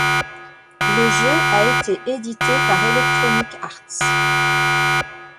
Le jeu a été édité par Electronic Arts.